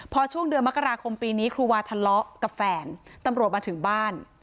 พอช่วงเดือนมกราคมปีนี้ครูวาทะเลาะกับแฟนตำรวจมาถึงบ้าน